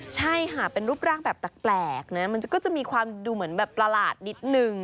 ใช่ค่ะเป็นรูปร่างแบบแปลกนะมันก็จะมีความดูเหมือนแบบประหลาดนิดนึง